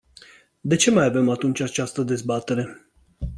De ce mai avem atunci această dezbatere?